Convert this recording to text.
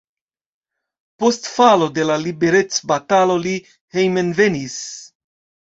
Post falo de la liberecbatalo li hejmenvenis.